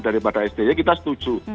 daripada sti kita setuju